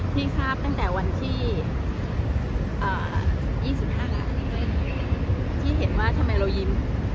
ที่ทราบตั้งแต่วันที่๒๕ที่เห็นว่าทำไมเรายิ้ม